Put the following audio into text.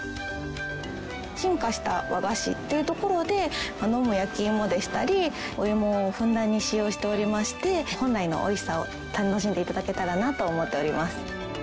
進化した和菓子っていうところで飲む焼き芋でしたりお芋をふんだんに使用しておりまして本来のおいしさを楽しんで頂けたらなと思っております。